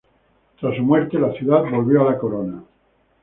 Tras su muerte, la ciudad volvió a la corona.